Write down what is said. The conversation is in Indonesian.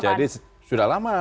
jadi sudah lama